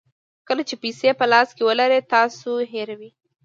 کله چې پیسې په لاس کې ولرئ تاسو هیروئ.